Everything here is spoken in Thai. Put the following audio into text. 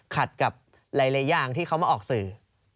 ขัดกับหลายอย่างที่เขามาออกสื่อ